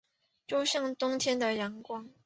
就像冬天的阳光